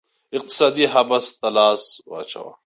اقتصادي حبس ته لاس واچاوه